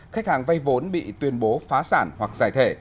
khách hàng vay vốn bị tuyên bố phá sản hoặc giải thể